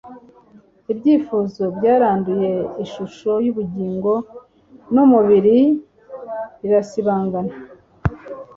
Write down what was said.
ibyifuzo byaranduye, ishusho y'ubugingo n'umubiri irasibangana